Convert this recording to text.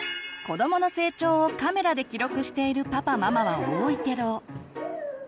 子どもの成長をカメラで記録しているパパママは多いけど。